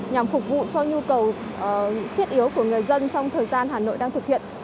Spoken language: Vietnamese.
nhằm phục vụ cho nhu cầu thiết yếu của người dân trong thời gian hà nội đang thực hiện